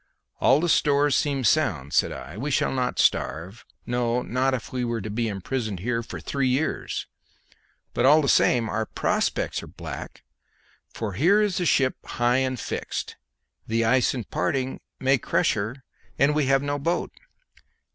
"All the stores seem sound," said I; "we shall not starve no, not if we were to be imprisoned here for three years. But all the same our prospects are black, for here is the ship high and fixed; the ice in parting may crush her, and we have no boat."